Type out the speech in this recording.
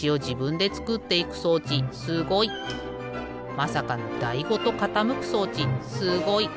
まさかのだいごとかたむく装置すごい！